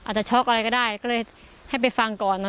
จะช็อกช็อก